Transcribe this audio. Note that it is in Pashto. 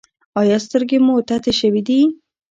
ایا سترګې مو تتې شوې دي؟